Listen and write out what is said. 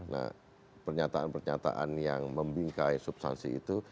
nah pernyataan pernyataan yang membingkai substansi itu